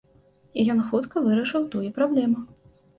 І ён хутка вырашыў тую праблему.